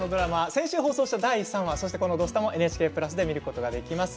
先週放送した第３話そして「土スタ」もＮＨＫプラスで見ることができます。